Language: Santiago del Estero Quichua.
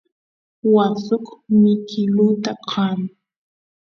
waa suk mikiluta qaan